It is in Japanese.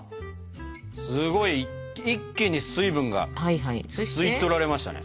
すごい一気に水分が吸い取られましたね。